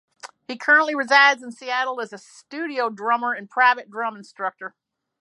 He currently resides in Seattle as a studio drummer and private drum instructor.